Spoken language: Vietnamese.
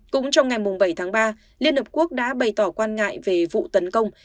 cũng trong ngày bảy tháng ba liên hợp quốc đã bày tỏ quan ngại về vụ tấn công